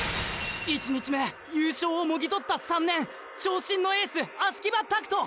１日目優勝をもぎとった３年長身のエース葦木場拓斗！！